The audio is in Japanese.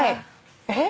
えっ！